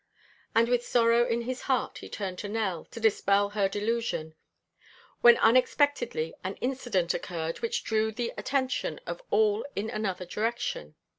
And with sorrow in his heart he turned to Nell to dispel her delusion, when unexpectedly an incident occurred which drew the attention of all in another direction.